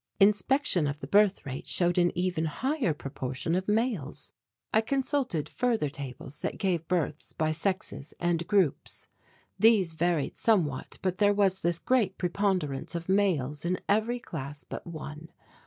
Inspection of the birth rate showed an even higher proportion of males. I consulted further tables that gave births by sexes and groups. These varied somewhat but there was this great preponderance of males in every class but one.